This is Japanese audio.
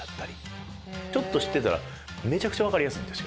ちょっと知ってたらめちゃくちゃわかりやすいんですよ。